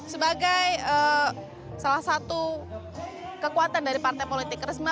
sebagai salah satu kekuatan dari partai politik risma